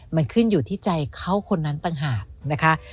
มันขึ้นอยู่ที่ใจเขาคนนั้นต่างหากนะคะ